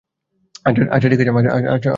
আচ্ছা, ঠিক আছে আসেন।